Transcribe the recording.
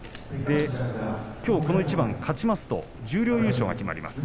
この一番勝ちますと十両優勝が決まります。